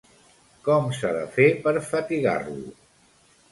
Com s'ha de fer per fatigar-lo?